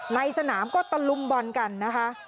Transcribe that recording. ในสนามก็ตะลุมบอลกันนะคะ